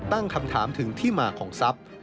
ตั้งคำถามถึงที่มาของทรัพย์